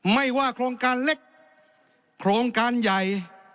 ไม่ว่าโครงการเล็กโครงการใหญ่